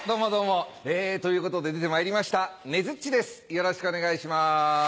よろしくお願いします。